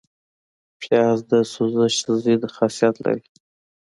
پیاز د سوزش ضد خاصیت لري